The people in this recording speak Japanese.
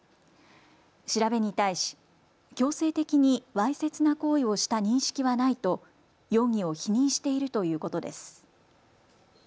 調べに対し強制的にわいせつな行為をした認識はないと容疑を否認しているということです。